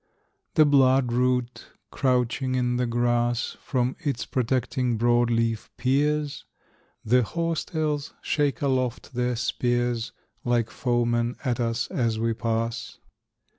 The blood root, crouching in the grass, From its protecting broad leaf peers; The horse tails shake aloft their spears, Like foemen, at us as we pass.